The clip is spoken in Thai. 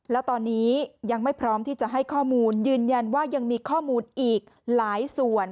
แล้วตอนนี้ยังไม่พร้อมที่จะให้ข้อมูลยืนยันว่ายังมีข้อมูลอีกหลายส่วน